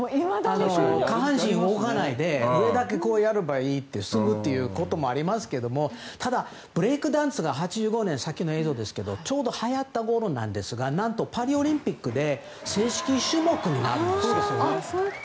下半身は動かないで上だけやれば済むということはありますけどただ、ブレイクダンスが８５年、さっきの映像ですがちょうど、はやったころですがパリオリンピックで正式種目になるんですよ。